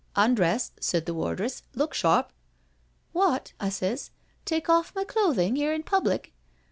' Undress,' says the wardress, 'look sharp.' 'What?' I sez, 'take off my clothing here in public?'